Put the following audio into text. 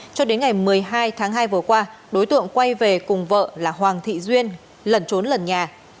cho đến ngày một mươi hai tháng hai vừa qua đối tượng quay về cùng vợ là hoàng thị duyên lẩn trốn lần nhà